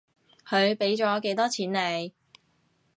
佢畀咗幾多錢你？